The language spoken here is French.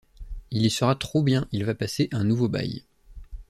Il y sera trop bien, il va passer un nouveau bail...